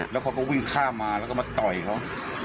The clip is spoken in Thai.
แล้วเขาก็วิ่งข้ามมาแล้วก็มาต่อยเขา